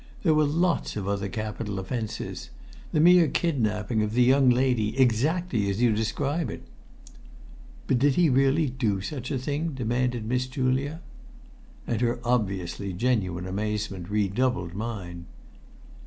There were lots of other capital offences. The mere kidnapping of the young lady, exactly as you describe it " "But did he really do such a thing?" demanded Miss Julia. And her obviously genuine amazement redoubled mine.